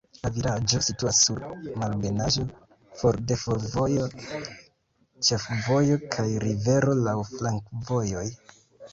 La vilaĝo situas sur malebenaĵo, for de fervojo, ĉefvojo kaj rivero, laŭ flankovojoj.